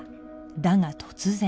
だが突然